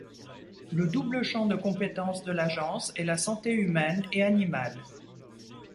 Le double champ de compétence de l'Agence est la santé humaine et animale.